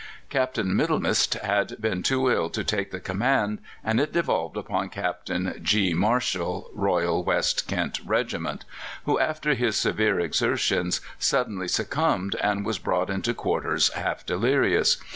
Captain Middlemist had been too ill to take the command, and it devolved upon Captain G. Marshall, Royal West Kent Regiment, who, after his severe exertions, suddenly succumbed, and was brought into quarters half delirious.